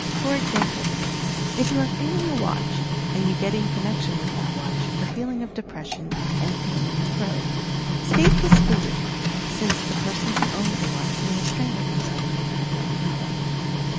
For esaraple: If you are feeling a watch, and you get in connection with that watch the feeling of de pression and pain in the throat, state this fully, since the person who owned the watch may have strangled himself in a fit of melancholy.